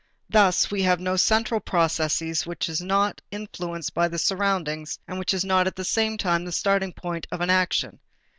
Thus we have no central process which is not influenced by the surroundings and which is not at the same time the starting point of an action.